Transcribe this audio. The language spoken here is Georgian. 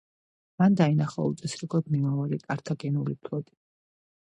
მან დაინახა უწესრიგოდ მიმავალი კართაგენული ფლოტი.